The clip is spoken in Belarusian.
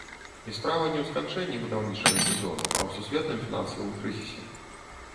І справа не ў сканчэнні будаўнічага сезону, а ў сусветным фінансавым крызісе.